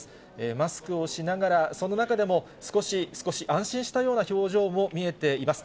マスクをしながら、その中でも少し安心したような表情も見えています。